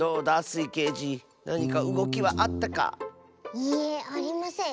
いいえありません。